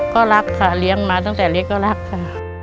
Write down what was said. ก็รักค่ะเลี้ยงมาตั้งแต่เล็กก็รักค่ะ